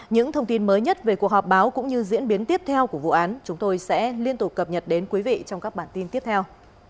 những thông tin mới nhất về cuộc họp báo cũng như diễn biến tiếp theo của vụ án chúng tôi sẽ liên tục cập nhật đến quý vị trong các bản tin tiếp theo